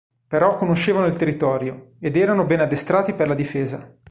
Però conoscevano il territorio, ed erano ben addestrati per la difesa.